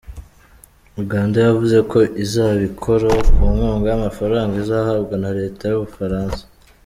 Uganda yavuze ko izabikora ku nkunga y’amafaranga izahabwa na Leta Ubufaransa.